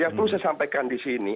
yang perlu saya sampaikan disini